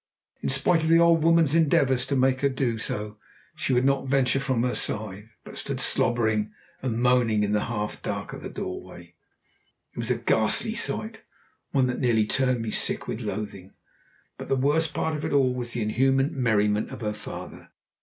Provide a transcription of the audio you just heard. In spite of the old woman's endeavours to make her do so, she would not venture from her side, but stood slobbering and moaning in the half dark of the doorway. It was a ghastly sight, one that nearly turned me sick with loathing. But the worst part of it all was the inhuman merriment of her father.